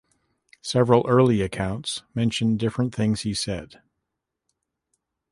Several early accounts mention different things he said.